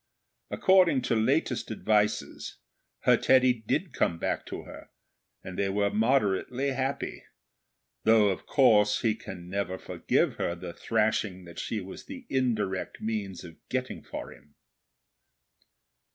According to latest advices, her Teddy did come back to her, and they are moderately happy. Though, of course, he can never forgive her the thrashing that she was the indirect means of getting for him.